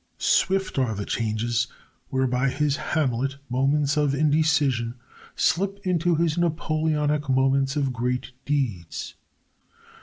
Swift are the changes whereby his Hamlet moments of indecision slip into his Napoleonic moments of great deeds.